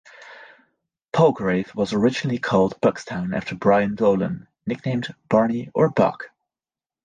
Palgrave was originally called Buckstown after Brian Dolan, nicknamed Barney or Buck.